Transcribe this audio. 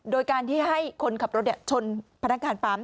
โดยการที่ให้คนขับรถชนพนักงานปั๊ม